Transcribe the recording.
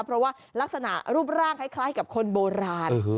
เพราะว่าลักษณะรูปร่างคล้ายกับคนโบราณ